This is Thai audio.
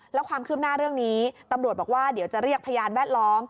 แล้วความคืบหน้าเรื่องนี้ตำรวจบอกว่าเดี๋ยวจะเรียกพยานแวดล้อม